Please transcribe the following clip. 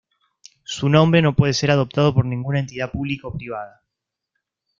Su nombre no puede ser adoptado por ninguna entidad pública o privada.